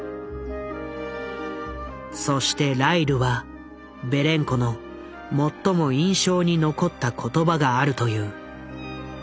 そしてライルはベレンコの最も印象に残った言葉があるという。